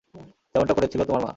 যেমনটা করেছিল তোমার মা।